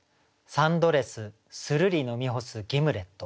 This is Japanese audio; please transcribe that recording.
「サンドレスするり飲み干すギムレット」。